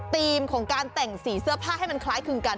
ของการแต่งสีเสื้อผ้าให้มันคล้ายคลึงกัน